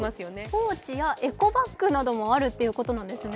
ポーチやエコバッグなどもあるということなんですね。